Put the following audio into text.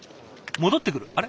戻ってくる？